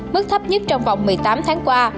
mức thấp nhất trong vòng một mươi tám tháng qua